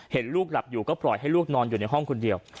เห็นลูกหลับอยู่ก็ปล่อยให้ลูกนอนอยู่ในห้องคนเดียว